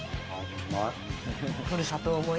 うまい。